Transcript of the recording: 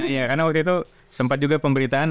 iya karena waktu itu sempat juga pemberitaan